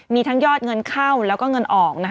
มีทั้งยอดเงินเข้าแล้วก็เงินออก